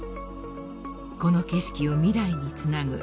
［この景色を未来につなぐ］